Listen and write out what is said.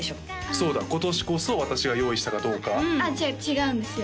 そうだ今年こそ私が用意したかどうかあっ違う違うんですよ